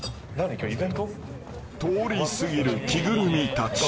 ［通り過ぎる着ぐるみたち］